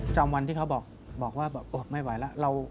จำวันที่เขาบอกว่าแบบไม่ไหวแล้ว